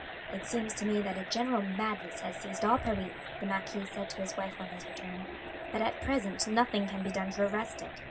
"It seems to me that a general madness has seized all Paris," the marquis said to his wife on his return, "but at present nothing can be done to arrest it.